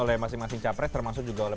oleh masing masing capres termasuk juga oleh